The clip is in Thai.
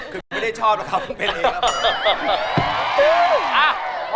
คือไม่ได้ชอบว่าเขาก็เป็นนี้นะครับผม